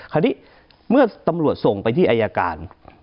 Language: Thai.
คราวนี้เมื่อตำรวจส่งไปที่อายการ